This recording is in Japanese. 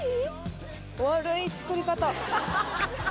悪い作り方。